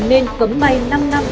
nên cấm bay năm năm